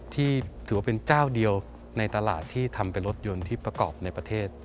ที่ถือว่าเป็นเจ้าเดียวในตลาดที่ทำเป็นรถยนต์ที่ประกอบในประเทศ